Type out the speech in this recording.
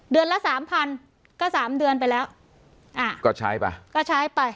เดือนละสามพันก็สามเดือนไปแล้วอ่าก็ใช้ป่ะก็ใช้ไป